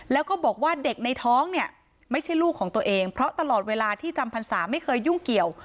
แล้วก็บอกว่าเด็กในท้องเนี่ยไม่ใช่ลูกของตัวเองเพราะตลอดเวลาที่จำพรรษาไม่เคยยุ่งเกี่ยว